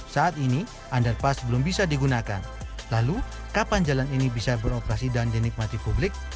saat ini underpass belum bisa digunakan lalu kapan jalan ini bisa beroperasi dan dinikmati publik